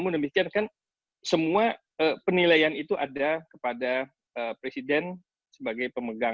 nah itu kan semua harus berjalan secara simultan